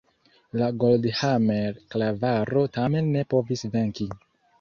La Goldhammer-klavaro tamen ne povis venki.